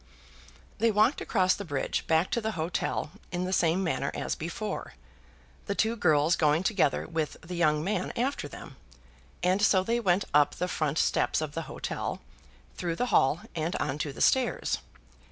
They walked across the bridge back to the hotel in the same manner as before, the two girls going together with the young man after them, and so they went up the front steps of the hotel, through the hall, and on to the stairs.